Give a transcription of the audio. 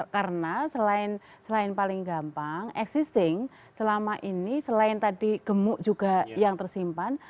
karena selain paling gampang existing selama ini selain tadi gemuk juga yang tersimpan